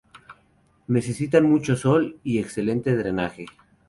Necesitan mucho sol y excelente drenaje.